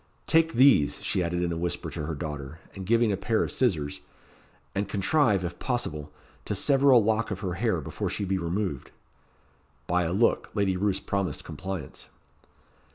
"Take these," she added in a whisper to her daughter, and giving a pair of scissors; "and contrive, if possible, to sever a lock of her hair before she be removed." By a look Lady Roos promised compliance.